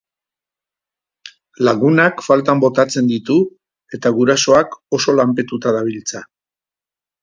Lagunak faltan botatzen ditu eta gurasoak oso lanpetuta dabiltza.